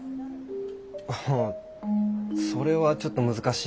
ああそれはちょっと難しいよね。